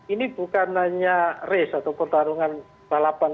ini bukan hanya race atau pertarungan balapan